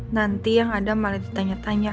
nanti yang ada malah ditanya tanya